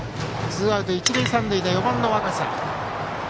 ツーアウト一塁三塁で４番の若狭。